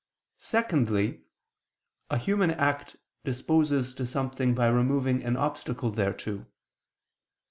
Secondly, a human act disposes to something by removing an obstacle thereto.